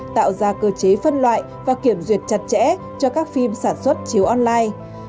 tạo ra cơ chế phân loại và kiểm duyệt chặt chẽ cho các phim sản xuất chiếu online